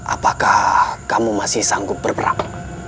apakah kamu masih sanggup berperang